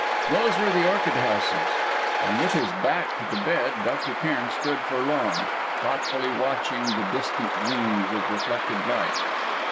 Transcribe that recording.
Those were the orchid houses; and with his back to the bed, Dr. Cairn stood for long, thoughtfully watching the distant gleams of reflected light.